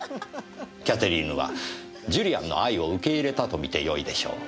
キャテリーヌはジュリアンの愛を受け入れたと見てよいでしょう。